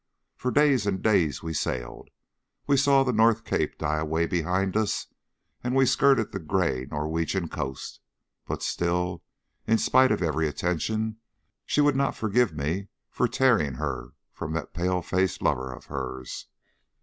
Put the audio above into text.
For days and days we sailed. We saw the North Cape die away behind us, and we skirted the grey Norwegian coast, but still, in spite of every attention, she would not forgive me for tearing her from that pale faced lover of hers.